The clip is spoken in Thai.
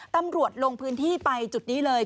ตำรวจลงพื้นที่ไปจุดนี้เลย